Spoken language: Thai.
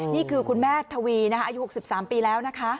นี่คือคุณแม่ทวีอายุ๖๓ปีแล้วนะคะ